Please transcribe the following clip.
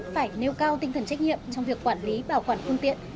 phải nêu cao tinh thần trách nhiệm trong việc quản lý bảo quản phương tiện